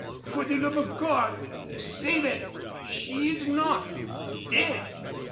For the love of God say that she is not dead!"